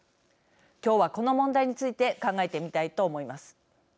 今日は、この問題について考えてみたいと思います。